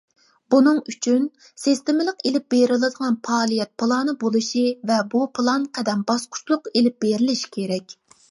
بۇنىڭ ئۈچۈن، سىستېمىلىق ئېلىپ بېرىلىدىغان پائالىيەت پىلانى بولۇشى ۋە بۇ پىلان قەدەم-باسقۇچلۇق ئېلىپ بېرىلىشى كېرەك.